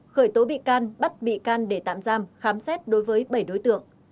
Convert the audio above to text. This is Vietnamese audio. khởi tố bị can bắt bị can để tạm giam khám xét đối với bảy đối tượng